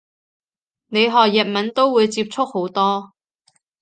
你學日文都會接觸好多